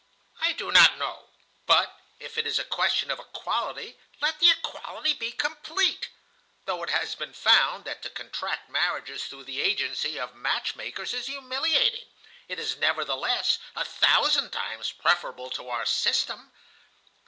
"I do not know. But, if it is a question of equality, let the equality be complete. Though it has been found that to contract marriages through the agency of match makers is humiliating, it is nevertheless a thousand times preferable to our system.